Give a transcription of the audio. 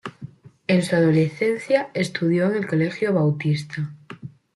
En su adolescencia estudió en el Colegio Bautista.